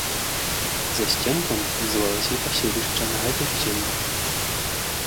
Засценкам называлася і паселішча на гэтых землях.